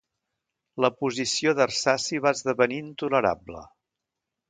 La posició d'Arsaci va esdevenir intolerable.